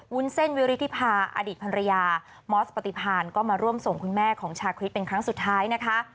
วุ้นเส้นวิริธิพาอดีตภรรยามอสปฏิพานก็มาร่วมส่งคุณแม่ของชาคริสเป็นครั้งสุดท้ายนะคะ